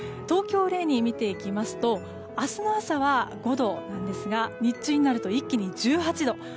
東京を例に見ていきますと明日の朝は５度なんですが日中になると一気に１８度。